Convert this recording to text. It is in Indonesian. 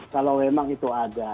kalau memang itu ada